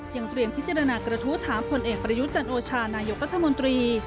ยังเตรียมพิจารณากระทู้ถามผลเอกประยุทธ์จันโอชานายกรัฐมนตรี